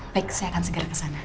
baik saya akan segera kesana